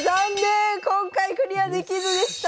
今回クリアできずでした。